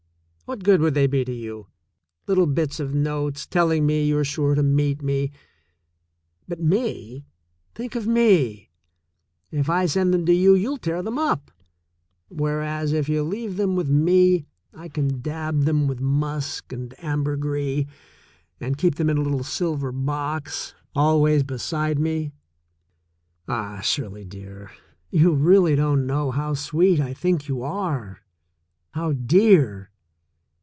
What good would they be to you — little bits of notes telling me you're sure to meet me — ^but me — think of me ! If I send them to you, you'll tear them up, whereas if you leave them with me I can dab them with musk and ambergris and keep them in a little silver box, always beside me. Ah, Shirley dear, you really don't know how sweet I think you are, how dear!